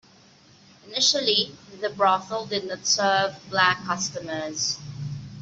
Initially, the brothel did not serve black customers.